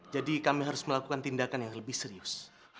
jadi kami harus melakukan tindakan yang lebih serius